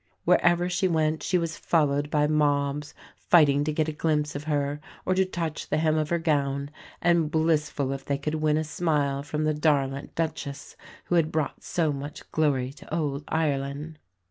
Wherever she went she was followed by mobs, fighting to get a glimpse of her, or to touch the hem of her gown, and blissful if they could win a smile from the "darlint Duchess" who had brought so much glory to old Ireland.